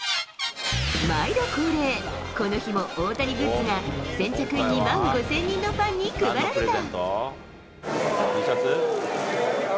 毎度恒例、この日も大谷グッズが、先着２万５０００人のファンに配られた。